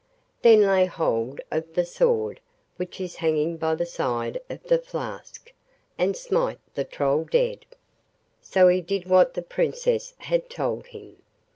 Then lay hold of the sword which is hanging by the side of the flask, and smite the Troll dead.' So he did what the Princess had told him.